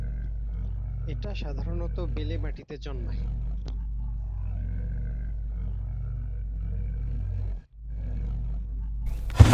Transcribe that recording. এটা সাধারণত বেলে মাটিতে জন্মায়।